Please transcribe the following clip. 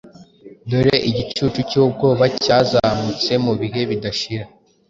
Dore igicucu cyubwoba cyazamutse Mubihe bidashira!